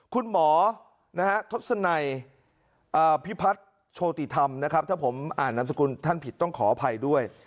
คุณหมอทศพิพัทธโชติธรรมถ้าผมอ่านนามสกุลท่านผิดต้องขออภัยด้วย